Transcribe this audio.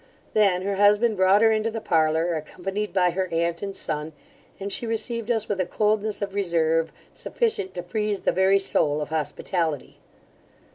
Then her husband brought her into the parlour, accompanied by her aunt and son, and she received us with a coldness of reserve sufficient to freeze the very soul of hospitality.